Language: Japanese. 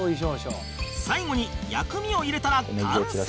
最後に薬味を入れたら完成